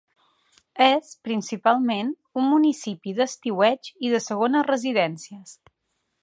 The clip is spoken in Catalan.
És, principalment, un municipi d'estiueig i de segones residències.